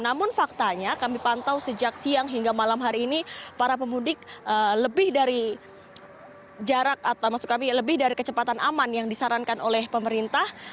namun faktanya kami pantau sejak siang hingga malam hari ini para pemudik lebih dari jarak atau maksud kami lebih dari kecepatan aman yang disarankan oleh pemerintah